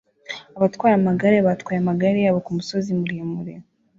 Abatwara amagare batwaye amagare yabo kumusozi muremure